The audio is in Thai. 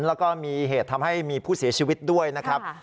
แล้วก็มีเหตุทำให้มีผู้เสียชีวิตด้วยนะครับ